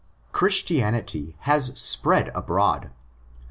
Christianity has spread abroad.